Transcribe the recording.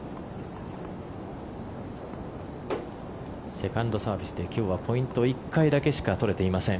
セカンドサービスで今日はポイントを１回だけしか取れていません。